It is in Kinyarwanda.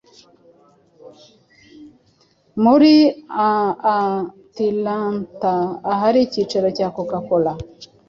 Muri aAtlanta ahari ikicaro cya Coca cola